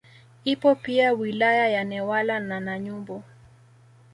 Ipo pia wilaya ya Newala na Nanyumbu